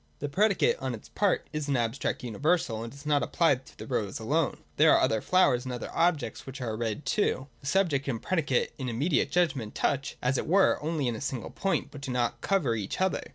The predicate on its part is an abstract universal, and does not apply to the rose alone. There are other flowers and other objects which are red too. The subject and predicate in the immediate judgment touch, as it were, only in a single point, but do not cover each other.